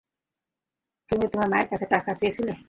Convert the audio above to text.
তুমি তোমার মায়ের কাছে টাকা চেয়েছিলে।